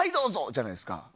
じゃないですか。